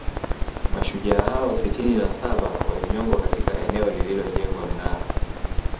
Mashujaa hao sitini na saba walinyongwa katika eneo lililojengwa Mnara